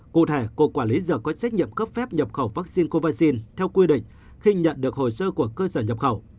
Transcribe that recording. cụ thể cục quản lý giờ có trách nhiệm cấp phép nhập khẩu vaccine covid một mươi chín theo quy định khi nhận được hồ sơ của cơ sở nhập khẩu